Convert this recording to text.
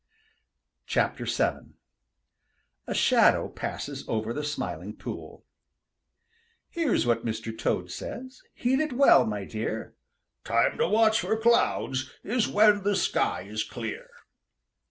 VII A SHADOW PASSES OVER THE SMILING POOL Here's what Mr. Toad says; Heed it well, my dear: "Time to watch for clouds is When the sky is clear."